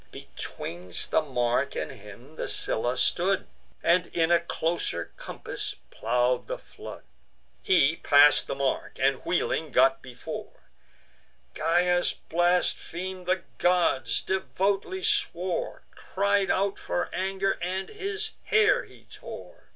Betwixt the mark and him the Scylla stood, And in a closer compass plow'd the flood. He pass'd the mark; and, wheeling, got before: Gyas blasphem'd the gods, devoutly swore, Cried out for anger, and his hair he tore.